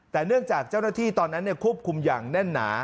แต่เนื่องจากเจ้าหน้าที่ตอนนั้นควบคุมอย่างแน่นหนา